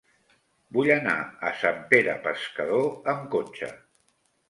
Vull anar a Sant Pere Pescador amb cotxe.